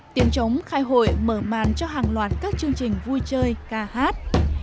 tiếng chống khai hội mở màn cho hàng loạt các chương trình vui chơi ca hát